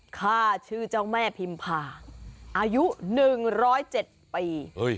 ฆ่าชื่อเจ้าแม่พิมพาอายุ๑๐๗ปี